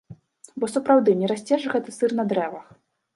Бо сапраўды, не расце ж гэты сыр на дрэвах?